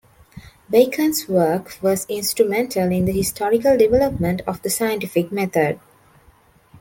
Bacon's work was instrumental in the historical development of the scientific method.